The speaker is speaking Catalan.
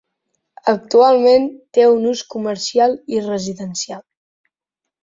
Actualment té ús comercial i residencial.